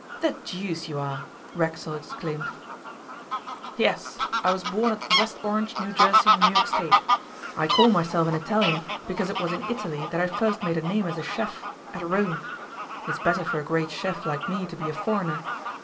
'The deuce you are!' Racksole exclaimed. 'Yes, I was born at West Orange, New Jersey, New York State. I call myself an Italian because it was in Italy that I first made a name as a chef at Rome. It is better for a great chef like me to be a foreigner.